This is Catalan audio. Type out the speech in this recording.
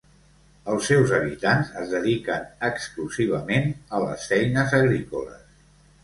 Els seus habitants es dediquen exclusivament a les feines agrícoles.